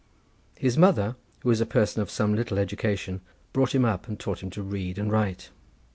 His mother, who was a person of some little education, brought him up, and taught him to read and write.